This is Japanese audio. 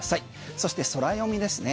そしてソラヨミですね。